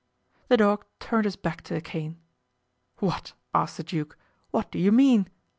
'" The dog turned his back to the cane. "What," asked the duke, "what do you mean?"